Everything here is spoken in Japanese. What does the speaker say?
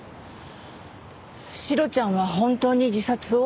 シロちゃんは本当に自殺を？